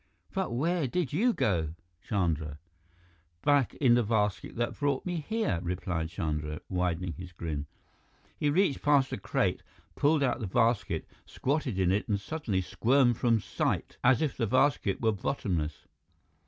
"But where did you go, Chandra?" "Back in basket that brought me here," replied Chandra, widening his grin. He reached past a crate, pulled out the basket, squatted in it and suddenly squirmed from sight, as if the basket were bottomless.